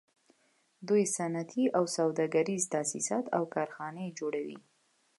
دوی صنعتي او سوداګریز تاسیسات او کارخانې جوړوي